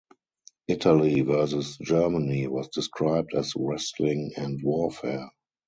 Italy versus Germany was described as 'wrestling and warfare'.